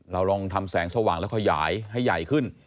เราลองทำแสงสว่างแล้วขยายให้ใหญ่ขึ้น